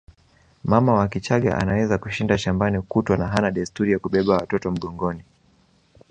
Mama wa Kichagga anaweza kushinda shambani kutwa na hana desturi ya kubeba watoto mgongoni